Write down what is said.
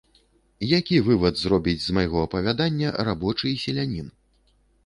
Які вывад зробіць з майго апавядання рабочы і селянін?